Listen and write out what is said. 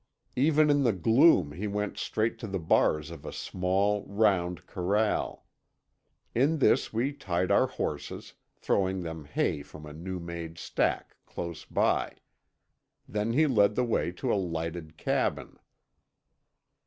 Even in the gloom he went straight to the bars of a small, round corral. In this we tied our horses, throwing them hay from a new made stack close by. Then he led the way to a lighted cabin.